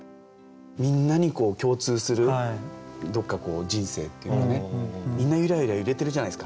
みんなに共通するどっか人生っていうのはねみんなゆらゆら揺れてるじゃないですか。